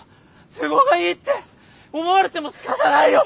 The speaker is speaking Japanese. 都合がいいって思われてもしかたないよ。